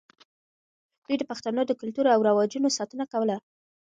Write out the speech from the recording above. دوی د پښتنو د کلتور او رواجونو ساتنه کوله.